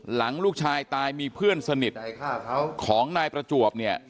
หลังลูกชายตายมีเพื่อนสนิทของนายประจวบเนี่ย